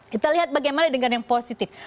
kita lihat bagaimana dengan yang positif